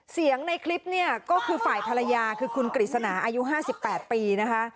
ในคลิปเนี่ยก็คือฝ่ายภรรยาคือคุณกฤษณาอายุ๕๘ปีนะคะ